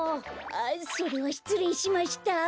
ああそれはしつれいしました。